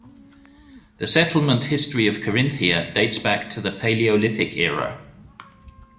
The settlement history of Carinthia dates back to the Paleolithic era.